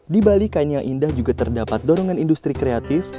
di bali kain yang indah juga terdapat dorongan industri kreatif